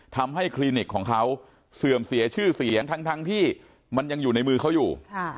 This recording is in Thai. คลินิกของเขาเสื่อมเสียชื่อเสียงทั้งที่มันยังอยู่ในมือเขาอยู่